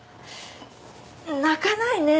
泣かないねえ。